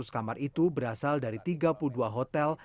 dua ratus kamar itu berasal dari tiga puluh dua hotel